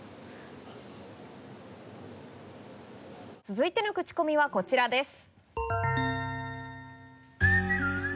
続いてのクチコミはこちらです。